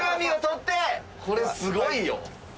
これすごいよ。